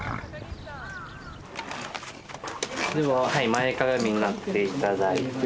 前かがみになって頂いて。